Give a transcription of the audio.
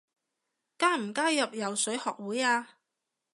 加唔加入游水學會啊？